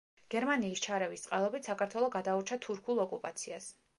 გერმანიის ჩარევის წყალობით საქართველო გადაურჩა თურქულ ოკუპაციას.